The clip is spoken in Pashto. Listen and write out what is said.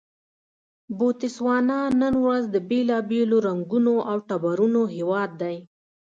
بوتسوانا نن ورځ د بېلابېلو رنګونو او ټبرونو هېواد دی.